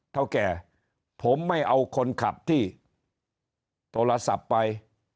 เท่าแก่ผมไม่เอาคนขับที่โทรศัพท์ไป